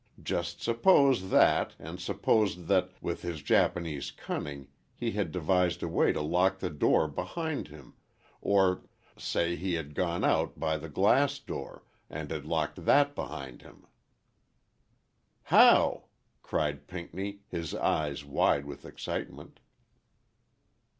Just suppose that, and suppose that, with his Japanese cunning he had devised a way to lock the door behind him—or, say, he had gone out by the glass door, and had locked that behind him." "How?" cried Pinckney, his eyes wide with excitement.